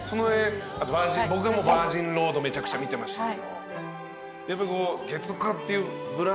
僕はもう『バージンロード』めちゃくちゃ見てました。